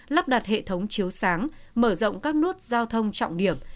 lắp đặt hệ thống chiếu sáng mở rộng các nút giao thông trọng điểm